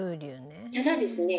ただですね